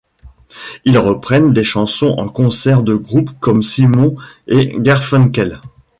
Ils reprennent des chansons en concert de groupes comme Simon & Garfunkel.